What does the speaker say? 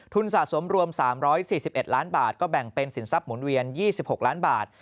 สะสมรวม๓๔๑ล้านบาทก็แบ่งเป็นสินทรัพย์หมุนเวียน๒๖ล้านบาท